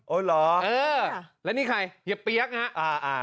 เหรอเออแล้วนี่ใครเฮียเปี๊ยกฮะ